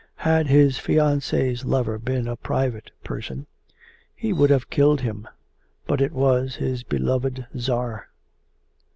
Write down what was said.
Had his fiancee's lover been a private person he would have killed him, but it was his beloved Tsar.